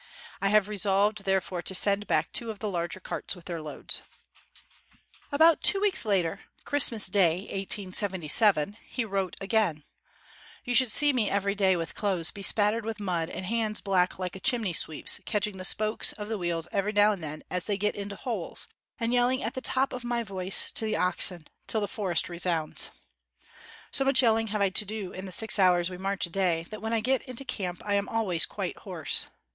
I have re solved, therefore, to send back two of the larger carts with their loads." 61 WHITE MAN OF WORK About two weeks later [Christmas Day, 1877] he wrote again: "You should see me every day with clothes bespattered with mud and hands black like a chimney sweep's catching the spokes of the wheels every now and then as they get into holes, and yelling at the top of my voice to the oxen, till the forest resounds. So much yelling have I to do in the six hours we march a day, that when I get into camp I am always quite hoarse.